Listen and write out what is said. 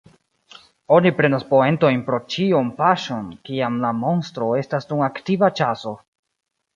Oni prenas poentojn pro ĉion paŝon kiam la monstro estas dum aktiva ĉaso.